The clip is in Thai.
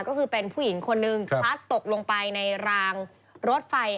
ก็คือเป็นผู้หญิงคนนึงพลัดตกลงไปในรางรถไฟ